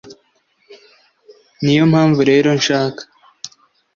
niyo mpamvu rero nshaka